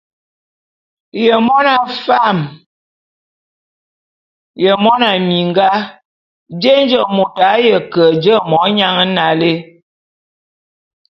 Ye mona fam ye mona minga, jé nje môt a ye ke je monyan nalé?